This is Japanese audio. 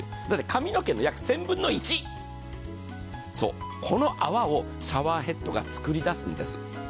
髪の毛の約１０００分の１、この泡をシャワーヘッドが作り出すんです。